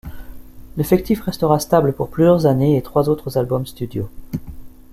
L'effectif restera stable pour plusieurs années et trois autres albums studio.